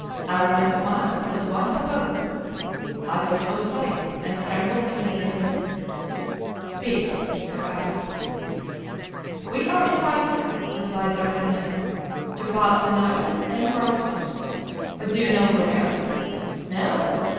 Aramis smiled as one who hopes. Athos was pale, and trembled in every limb. "Speak," said Athos. "We are invited," replied D'Artagnan, "to pass the night with M. Groslow. But do you know where?" "No."